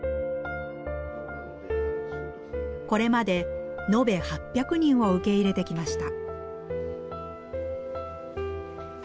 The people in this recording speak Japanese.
これまでのべ８００人を受け入れてきました。